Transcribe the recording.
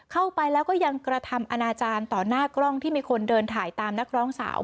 เข้าไปแล้วก็ยังกระทำอนาจารย์ต่อหน้ากล้องที่มีคนเดินถ่ายตามนักร้องสาว